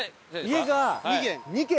家が２軒？